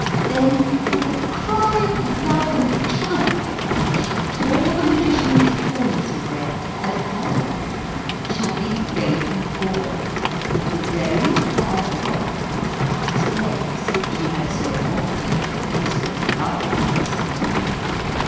Then with a cry of love and triumph she tore the Magician's clothes away and held up a chubby baby boy, with the very plaid frock and fat legs she had so often and so lovingly described.